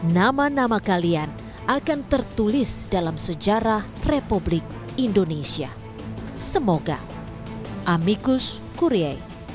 nama nama kalian akan tertulis dalam sejarah republik indonesia semoga amikus kure